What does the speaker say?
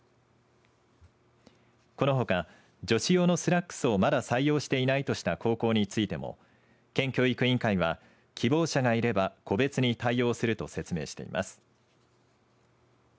このほか女子用のスラックスをまだ採用していないとした高校についても県教育委員会は希望者がいれば個別に対応すると説明しています。